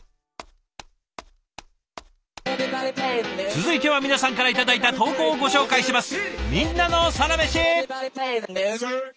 続いては皆さんから頂いた投稿をご紹介します。